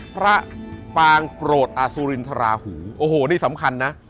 ปางโปรดอสุรินทราหูโอ้โหนี่สำคัญนะ